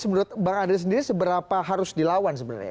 menurut bang andri sendiri seberapa harus dilawan sebenarnya